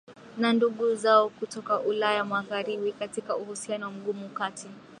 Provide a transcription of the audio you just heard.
na ndugu zao kutoka Ulaya Magharibi Katika uhusiano mgumu kati